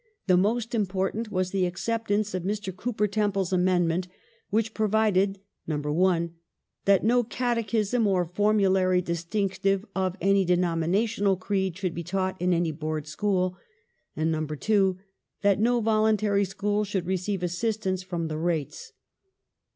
The most important was the acceptance of Mr. Cowper Temple's amendment which provided (1) that no catechism or formulary distinctive of any denominational creed should be taught in any Board school ; and (2) that no voluntary school should receive assistance from the rates.